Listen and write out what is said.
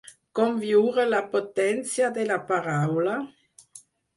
Com viure la potència de la paraula?